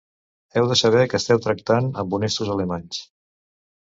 Heu de saber que esteu tractant amb honestos alemanys...